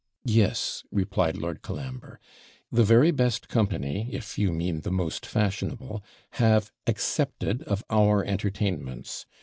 'Yes,' replied Lord Colambre; 'the very best company (if you mean the most fashionable) have accepted of our entertainments.